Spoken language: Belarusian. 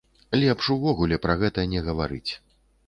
Лепш увогуле пра гэта не гаварыць.